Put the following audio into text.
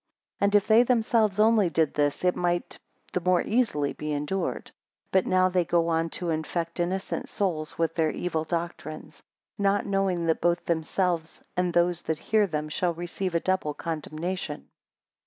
9 And if they themselves only did this, it might the more easily be endured; but now they go on to infect innocent souls with their evil doctrines; not knowing that both themselves, and those that hear them, shall receive a double condemnation.